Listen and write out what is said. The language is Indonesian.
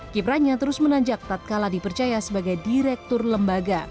kipranya terus menanjak tatkala dipercaya sebagai direktur lembaga